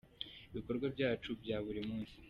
ibikorwa byacu bya buri munsi.